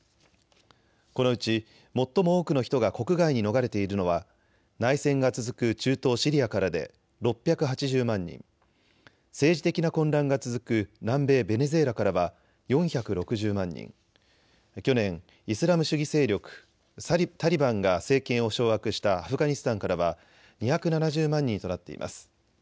このうち最も多くの人が国外に逃れているのは内戦が続く中東シリアからで６８０万人、政治的な混乱が続く南米ベネズエラからは４６０万人、去年、イスラム主義勢力タリバンが政権を掌握したアフガニスタンからは２７０万人となっています。